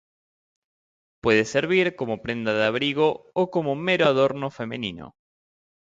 Puede servir como prenda de abrigo o como mero adorno femenino.